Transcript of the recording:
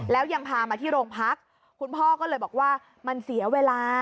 แล้วยังพามาที่โรงพักคุณพ่อก็เลยบอกว่ามันเสียเวลา